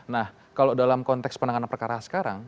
nah kalau dalam konteks penanganan perkara sekarang